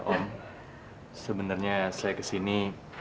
om sebenarnya saya kesini